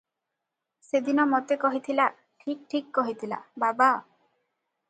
ସେଦିନ ମୋତେ କହିଥିଲା- ଠିକ୍ ଠିକ୍ କହିଥିଲା-ବାବା!